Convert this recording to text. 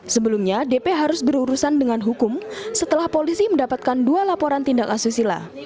sebelumnya dp harus berurusan dengan hukum setelah polisi mendapatkan dua laporan tindak asusila